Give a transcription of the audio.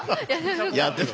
やってた。